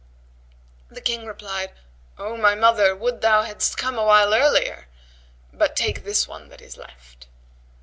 The King replied, "O my mother, would thou hadst come a while earlier! But take this one that is left."